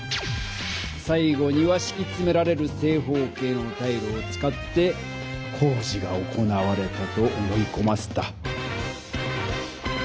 さい後にはしきつめられる正方形のタイルを使って工事が行われたと思いこませた。